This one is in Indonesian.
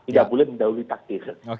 tidak boleh mendahului takdir